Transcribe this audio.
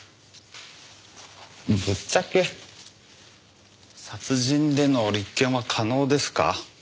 ぶっちゃけ殺人での立件は可能ですか？